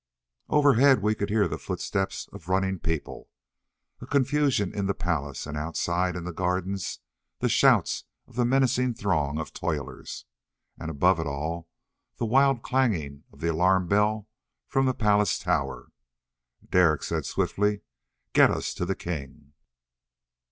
Overhead we could hear the footsteps of running people. A confusion in the palace, and outside in the garden the shouts of the menacing throng of toilers. And above it all, the wild clanging of the alarm bell from the palace tower. Derek said swiftly, "Get us to the king!"